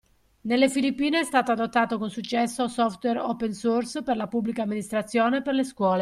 Nelle Filippine è stato adottato con successo software open source per la Pubblica Amministrazione e per le scuole.